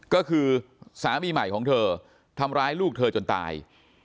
ก็คือสามีใหม่ของเธอทำร้ายลูกเธอจนตาย